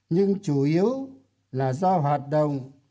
nhưng chủ yếu là do hoạt động